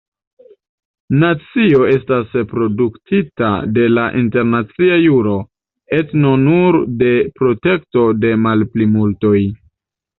Nacio estas protektita de la internacia juro, etno nur de protekto de malplimultoj.